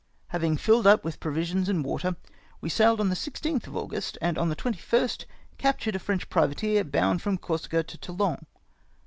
Having fiUed up with provisions and water, we sailed on the 16 th of August, and on the 21st captured a French privateer bound from Corsica to Toulon.